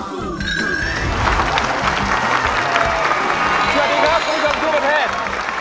สวัสดีครับคุณผู้ชมทั่วประเทศ